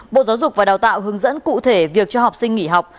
bộ giáo dục và đào tạo hướng dẫn cụ thể việc cho học sinh nghỉ học